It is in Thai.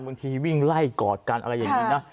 บางทีวิ่งไล่กอดกันอะไรอย่างนี้นะ